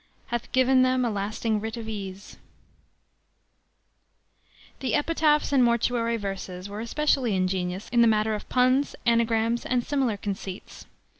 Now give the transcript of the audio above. Hath given them a lasting writ of ease." The epitaphs and mortuary verses were especially ingenious in the matter of puns, anagrams, and similar conceits.